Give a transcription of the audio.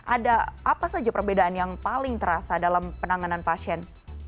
ada apa saja perbedaan yang paling terasa dalam penanganan pasien